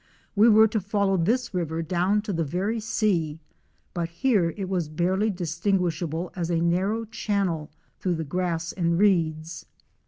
We were to follow this river down to the very sea, but here it was barely distin guishable as a narrow channel through the grass and reeds.